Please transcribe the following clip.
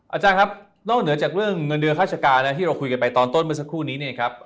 อาจารย์ครับนอกเหนือจากเรื่องเงินเดือนฆาชการนะที่เราคุยกันไปตอนต้นเมื่อสักครู่นี้เนี่ยครับ